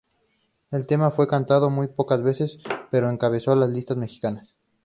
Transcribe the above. El tema fue cantado muy pocas veces pero encabezó las listas mexicanas.